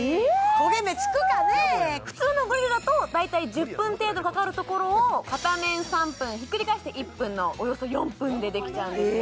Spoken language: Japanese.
はい普通のグリルだと大体１０分程度かかるところを片面３分ひっくり返して１分のおよそ４分でできちゃうんですね